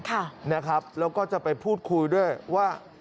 ค่ะนะครับแล้วก็จะไปพูดคุยด้วยว่า